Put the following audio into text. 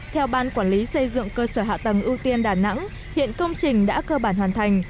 theo ban quản lý xây dựng cơ sở hạ tầng ưu tiên đà nẵng hiện công trình đã cơ bản hoàn thành